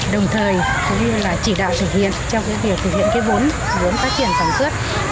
đồng thời cũng như là chỉ đạo thực hiện trong cái việc thực hiện cái vốn vốn phát triển sản xuất